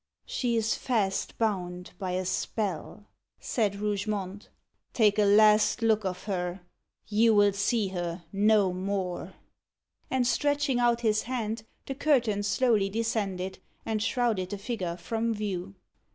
"She is fast bound by a spell," said Rougemont. "Take a last look of her. You will see her no more." And, stretching out his hand, the curtains slowly descended, and shrouded the figure from view.